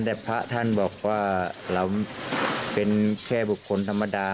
แต่พระท่านบอกว่าเราเป็นแค่บุคคลธรรมดา